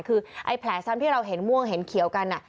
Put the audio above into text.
คือไอ้แผลซ้ำที่เราเห็นม่วงเห็นเขียวกัน